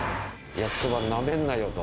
焼きそばをなめるなよと。